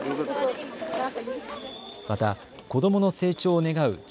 また子どもの成長を願う